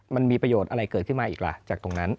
มันมีประโยชน์อะไรเกิดขึ้นมาอีกล่ะจากตรงนั้น